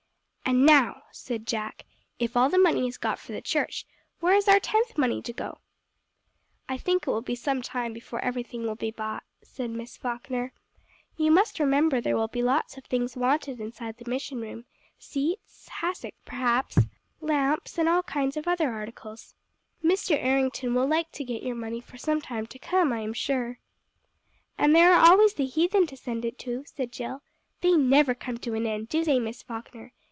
"And now," said Jack, "if all the money is got for the church, where is our tenth money to go to?" "I think it will be some time before everything will be bought," said Miss Falkner. "You must remember there will be lots of things wanted inside the mission room; seats hassocks, perhaps lamps, and all kinds of other articles. Mr. Errington will like to get your money for some time to come, I am sure." "And there are always the heathen to send it to," said Jill. "They never come to an end, do they, Miss Falkner?